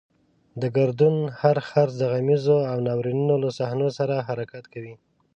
د ګردون هر څرخ د غمیزو او ناورینونو له صحنو سره حرکت کوي.